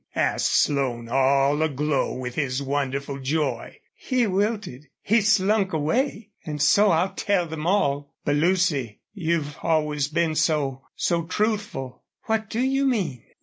asked Slone, all aglow with his wonderful joy. "He wilted. He slunk away.... And so I'll tell them all." "But, Lucy, you've always been so so truthful." "What do you mean?"